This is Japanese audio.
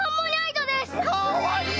かわいい。